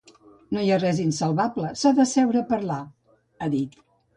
No hi ha res insalvable, s’han d’asseure a parlar, ha dit.